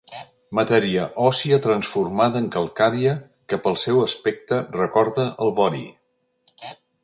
Matèria òssia transformada en calcària que pel seu aspecte recorda el vori.